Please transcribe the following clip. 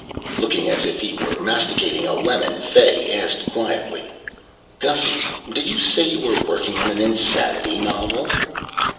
Looking as if he were masticating a lemon, Fay asked quietly, "Gussy, did you say you're working on an insanity novel?"